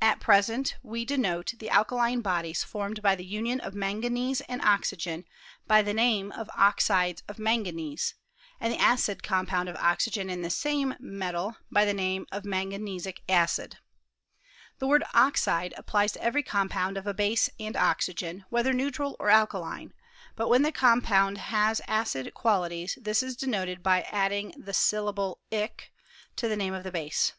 At present we denote the alkaline bodies formed by the union of manganese and oxygen by the name of oxides of manganese, and the acid compound of oxygen and the same metal by the name of manganesic acid. The word ojvide applies to every compound of abase and oxygen, whether neutral or alkaline ; but when the compound has acid qualities this is denoted by adding thesyllabletc to the name of the base.